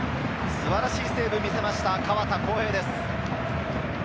素晴らしいセーブを見せました、河田晃兵です。